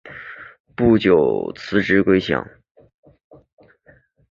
不久辞职归乡。